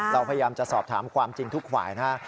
เราพยายามจะสอบถามความจริงทุกฝ่ายนะฮะ